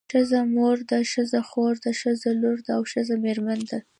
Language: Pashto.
ښځه مور ده ښځه خور ده ښځه لور ده او ښځه میرمن ده.